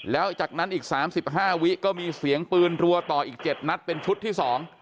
แล้วจากนั้นอีก๓๕วิก็มีเสียงปืนรัวต่ออีก๗นัดเป็นชุดที่๒